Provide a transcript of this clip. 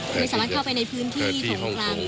ไม่สามารถเข้าไปในพื้นที่ของกลาง